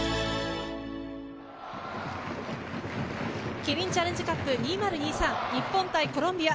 キリンチャレンジカップ２０２３、日本対コロンビア。